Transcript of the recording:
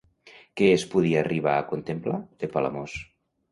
Què es podia arribar a contemplar de Palamós?